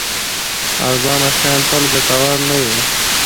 ارزانه شیان تل ګټور نه وي.